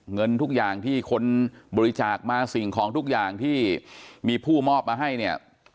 เงินทุกอย่างที่คนบริจาคมาสิ่งของทุกอย่างที่มีผู้มอบมาให้เนี่ย